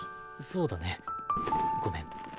そうだねごめん。